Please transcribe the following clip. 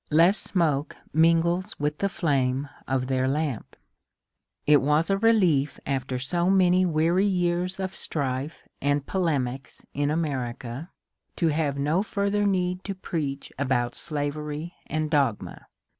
Less smoke mingles with the flame of their kmp. It was a relief after so many weary years of strife and polemics in America to have no further need to preach about VOL. n 50 MONCURE DANIEL CONWAY slavery and dogma.